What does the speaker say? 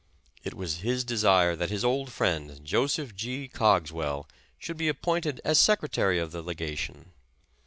It was his desire that his old friend, Joseph G. Cogswell, should be appointed as secretary of the legation.